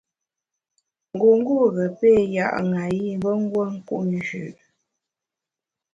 Ngungûre péé ya’ ṅayi mbe nguo nku njü.